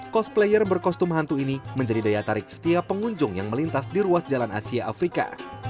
cosplayer berkostum hantu ini menjadi daya tarik setiap pengunjung yang melintas di ruas jalan asia afrika